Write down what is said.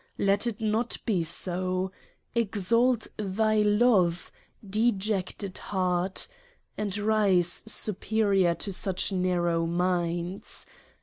Let it not be so. EXALT THY LOVE : DE JECTED HEART and rise superior to such narrow minds.